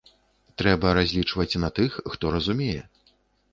Трэба разлічваць на тых, хто разумее.